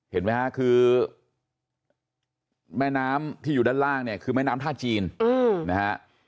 เห็นไหมฮะคือแม่น้ำที่อยู่ด้านล่างเนี่ยคือแม่น้ำท่าจีนนะฮะ